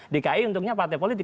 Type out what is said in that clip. dki untungnya partai politik